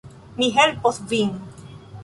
Mi helpos vin